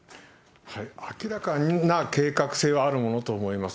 明らかな計画性はあるものと思います。